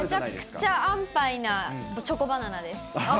めちゃくちゃ安パイなチョコバナナです。